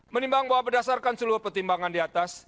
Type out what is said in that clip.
menimbang bahwa berdasarkan seluruh pertimbangan di atas